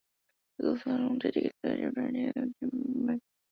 There is also a room dedicated to Chiropractic study with a Chiropractic bed.